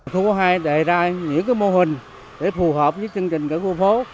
thu hóa hai đề ra những mô hình để phù hợp với chương trình của khu phố